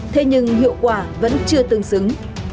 thế nhưng hiệu quả vẫn chưa tương xứng